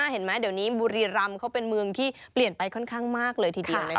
เห็นไหมเดี๋ยวนี้บุรีรำเขาเป็นเมืองที่เปลี่ยนไปค่อนข้างมากเลยทีเดียว